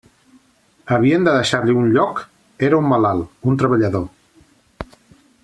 Havien de deixar-li un lloc: era un malalt, un treballador.